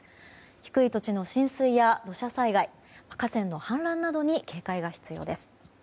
低い土地の浸水や土砂災害河川の氾濫などに警戒が必要です。